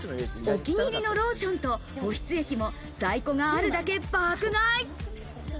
お気に入りのローションと保湿液も在庫があるだけ爆買い。